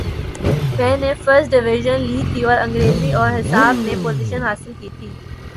میں نے first division لی تھی اور انگریزی اور حساب میں پوزیشن حاصل کی تھی۔